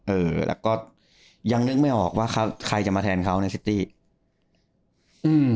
เออแล้วก็ยังนึกไม่ออกว่าใครจะมาแทนเขาในซิตี้อืม